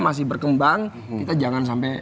masih berkembang kita jangan sampai